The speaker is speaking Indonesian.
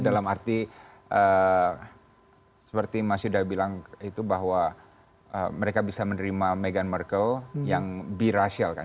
dalam arti seperti mas yuda bilang itu bahwa mereka bisa menerima meghan markle yang birasial kan